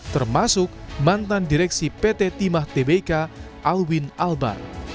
termasuk mantan direksi pt timah tbk alwin albar